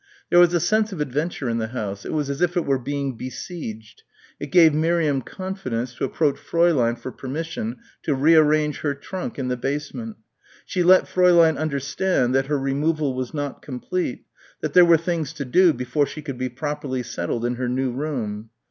There was a sense of adventure in the house. It was as if it were being besieged. It gave Miriam confidence to approach Fräulein for permission to rearrange her trunk in the basement. She let Fräulein understand that her removal was not complete, that there were things to do before she could be properly settled in her new room.